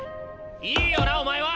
いいよなお前は！